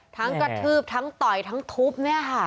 กระทืบทั้งต่อยทั้งทุบเนี่ยค่ะ